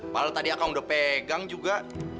malah tadi akang udah pegang juga